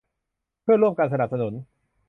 เพื่อร่วมกันสนับสนุน